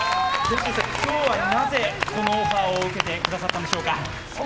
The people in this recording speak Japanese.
今日はなぜ、このオファーを受けてくださったんですか？